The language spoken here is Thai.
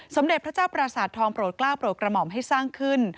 สมเด็จพระเจ้าประสาททองโปรดกล้าวโปรดกระหม่อมให้สร้างขึ้น